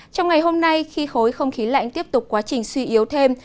trong ngày hôm nay khi khối không khí lạnh tiếp tục quá trình suy yếu thêm